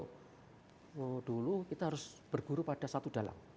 kalau dulu kita harus berguru pada satu dalang